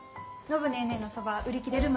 暢ネーネーのそば売り切れる